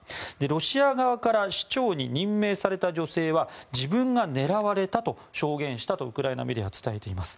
ロシア側から市長に任命された女性は自分が狙われたと証言したとウクライナメディアが伝えています。